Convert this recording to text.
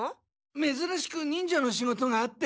めずらしく忍者の仕事があって。